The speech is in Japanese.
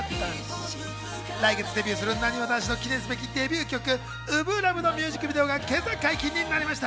来月デビューするなにわ男子の記念すべきデビュー曲デビュー曲、『初心ＬＯＶＥ』のミュージックビデオは今朝解禁になりました。